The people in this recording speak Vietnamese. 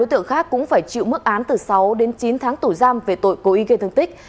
sáu đối tượng khác cũng phải chịu mức án từ sáu đến chín tháng tù giam về tội cố ý gây thương tích